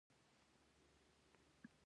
رخشان بني اعتماد مشهوره ده.